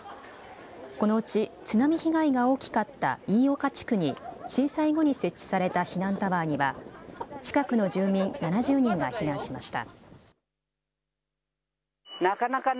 このうち津波被害が大きかった飯岡地区に震災後に設置された避難タワーには近くの住民７０人が避難しました。